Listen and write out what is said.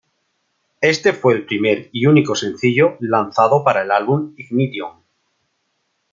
Este fue el primer y único sencillo lanzado para el álbum Ignition.